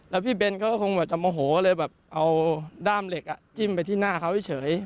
แล้วพี่เบนเขาก็คงแบบจะโมโหเลยแบบเอาด้ามเหล็กจิ้มไปที่หน้าเขาเฉย